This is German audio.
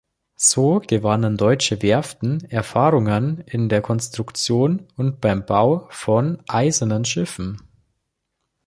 So gewannen deutsche Werften Erfahrungen in der Konstruktion und beim Bau von eisernen Schiffen.